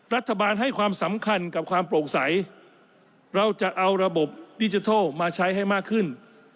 รัฐบาลให้ความสำคัญกับความโปร่งใสเราจะเอาระบบดิจิทัลมาใช้ให้มากขึ้น